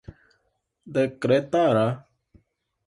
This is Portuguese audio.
decretará